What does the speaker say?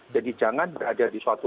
jadi jangan berada di suatu